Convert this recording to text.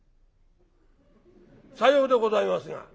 「さようでございますが」。